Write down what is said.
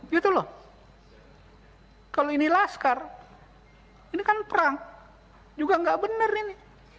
gitu loh kalau ini laskar ini kan perang juga nggak benar ini